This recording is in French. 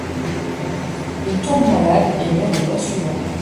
Il tombe malade et meurt le mois suivant.